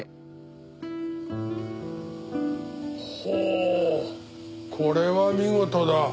ほうこれは見事だ。